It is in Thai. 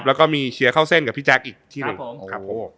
แล้วก็มีเชียร์เข้าเส้นกับพี่แจ็คอีกที่หนึ่ง